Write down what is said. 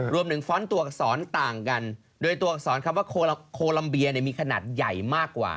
ฟ้อนตัวอักษรต่างกันโดยตัวอักษรคำว่าโคลัมเบียมีขนาดใหญ่มากกว่า